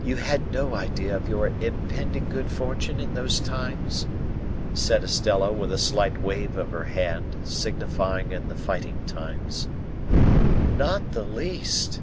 "You had no idea of your impending good fortune, in those times?" said Estella, with a slight wave of her hand, signifying in the fighting times. "Not the least."